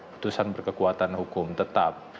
putusan berkekuatan hukum tetap